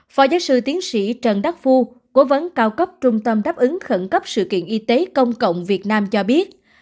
phó giáo sư tiến sĩ trần đắc phu cố vấn cao cấp trung tâm đáp ứng khẩn cấp sự kiện y tế công cộng việt nam cho biết